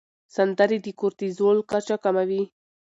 سندرې د کورتیزول کچه کموي.